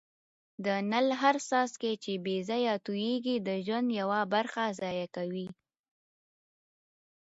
د نل هر څاڅکی چي بې ځایه تویېږي د ژوند یوه برخه ضایع کوي.